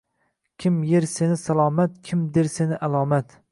Kim yer seni salomat, kim der seni “alomat”